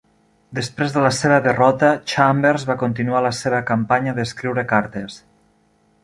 Després de la seva derrota, Chambers va continuar la seva campanya d'escriure cartes.